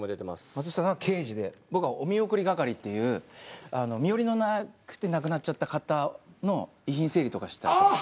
松下さんは刑事で僕はおみおくり係っていう身寄りのなくて亡くなっちゃった方の遺品整理とかしたりとか。